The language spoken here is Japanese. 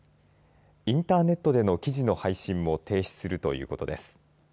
インターネットでの記事の配信も停止するということです。